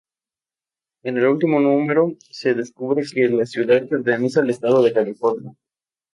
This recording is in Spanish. En el último número se descubre que la ciudad pertenece al Estado de California.